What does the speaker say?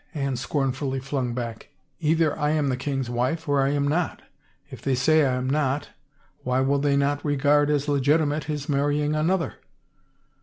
Anne scornfully flung back. Either I am the king's wife or I am not. If they say I am not why will they not regard as legitimate his mar rying another?"